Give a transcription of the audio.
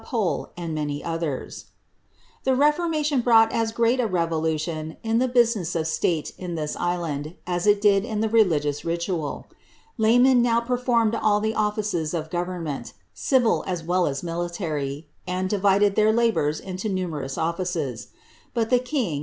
«,<■, and many olhcT^, The lieformaiion brought as great a revoluiion in the business of state in this island, as it did in ihe religious ritual. Laymen now ptr formed all the offices of govcrnmeni, civil as well as military, anci divided their labours into numerous offices. Gut the kiiif